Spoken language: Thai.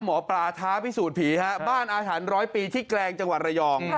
หมอปลาท้าพิสูจน์ผีฮะบ้านอาหารร้อยปีที่แกลงจังหวัดระยอง